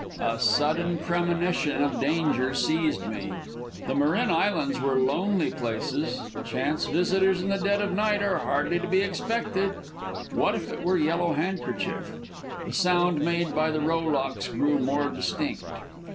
A sudden premonition of danger seized me. The Marin Islands are lonely places; chance visitors in the dead of night are hardly to be expected. What if it were Yellow Handkerchief? The sound made by the rowlocks grew more distinct.